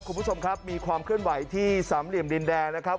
คุณผู้ชมครับมีความเคลื่อนไหวที่สามเหลี่ยมดินแดงนะครับ